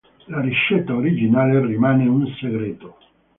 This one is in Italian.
La ricetta originale rimane un segreto.